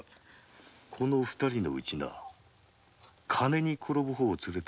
この二人のうちでな金に転ぶ方を連れて参れ。